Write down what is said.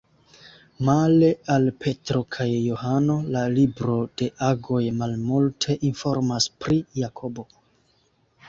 Male al Petro kaj Johano, la libro de Agoj malmulte informas pri Jakobo.